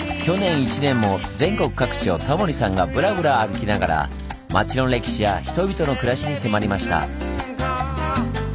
去年１年も全国各地をタモリさんがブラブラ歩きながら街の歴史や人々の暮らしに迫りました。